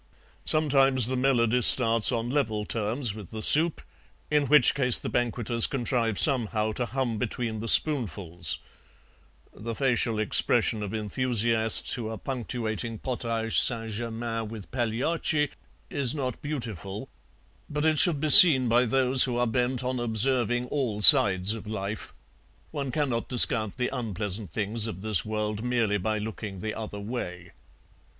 Sometimes the melody starts on level terms with the soup, in which case the banqueters contrive somehow to hum between the spoonfuls; the facial expression of enthusiasts who are punctuating potage St. Germain with Pagliacci is not beautiful, but it should be seen by those who are bent on observing all sides of life. One cannot discount the unpleasant things of this world merely by looking the other way.